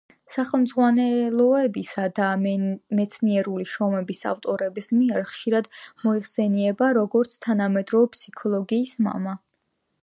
სახელმძღვანელოებისა და მეცნიერული შრომების ავტორების მიერ ხშირად მოიხსენება როგორც თანამედროვე ფსიქოლოგიის მამა.